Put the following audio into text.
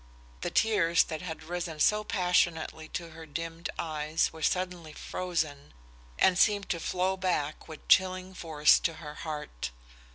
The tears that bad risen so passionately to her dimmed eyes were suddenly frozen, and seemed to flow back with chilling force to her heart.